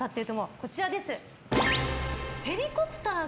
こちらです。